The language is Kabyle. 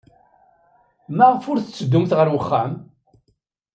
Maɣef ur tetteddumt ɣer wexxam?